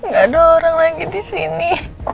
gak ada orang lagi di sini